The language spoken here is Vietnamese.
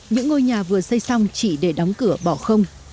những ngôi nhà vừa xây xong chỉ để đóng cửa bỏ không